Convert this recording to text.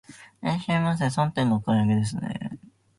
いらっしゃいませ、三点のお買い上げですね。